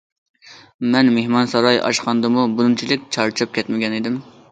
مەن مېھمانساراي ئاچقاندىمۇ بۇنچىلىك چارچاپ كەتمىگەنىدىم.